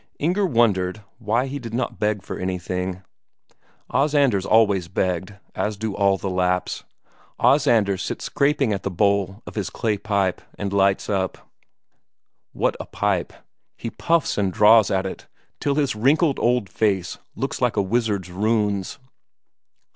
Inger wondered why he did not beg for anything; Os Anders always begged, as do all the Lapps. Os Anders sits scraping at the bowl of his clay pipe, and and lights up. What a pipe! He puffs and draws at it till his wrinkled old face looks like a wizard's runes.